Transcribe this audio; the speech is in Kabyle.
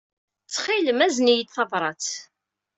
Ttxil-m, azen-iyi-d tabṛat.